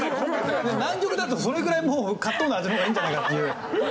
南極だとそれぐらいもうかっとんだ味の方がいいんじゃないかっていう。